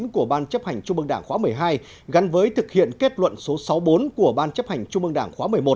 của ban chấp hành trung ương đảng khóa một mươi hai gắn với thực hiện kết luận số sáu mươi bốn của ban chấp hành trung ương đảng khóa một mươi một